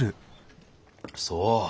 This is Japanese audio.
そう。